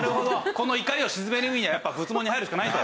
この怒りを静めるにはやっぱ仏門に入るしかないと。